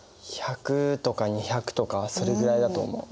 １００とか２００とかそれくらいだと思う。